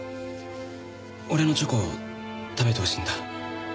俺のチョコ食べてほしいんだ。